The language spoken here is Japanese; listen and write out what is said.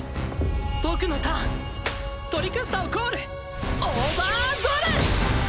僕のターントリクスタをコールオーバードレス！